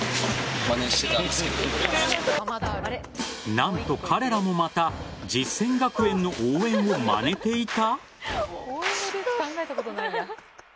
何と、彼らもまた実践学園の応援をまねていた？